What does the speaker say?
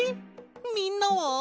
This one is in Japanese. みんなは？